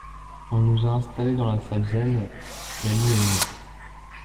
On nous a installés dans la salle zen, Laly et moi.